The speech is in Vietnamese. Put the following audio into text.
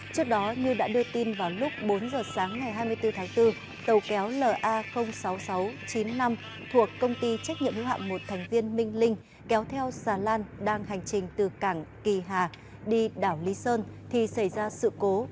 trước đó như đã đưa tin vào lúc bốn giờ sáng ngày hai mươi bốn tháng bốn tàu kéo la sáu nghìn sáu trăm chín mươi năm thuộc công ty trách nhiệm hữu hạm một thành viên minh linh kéo theo xà lan đang hành trình từ cảng kỳ hà đi đảo lý sơn thì xảy ra sự cố